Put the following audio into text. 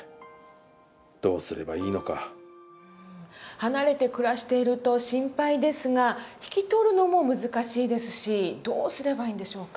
離れて暮らしていると心配ですが引き取るのも難しいですしどうすればいいんでしょうか。